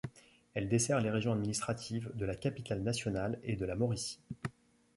Elle dessert les régions administratives de la Capitale-Nationale et de la Mauricie.